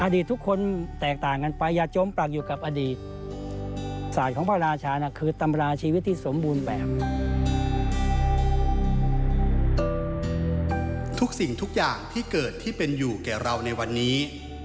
อดีตทุกคนแตกต่างกันไป